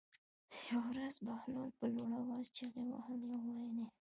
یوه ورځ بهلول په لوړ آواز چغې وهلې او ویلې یې.